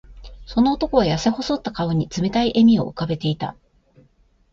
その男は、やせ細った顔に冷たい笑みを浮かべていた。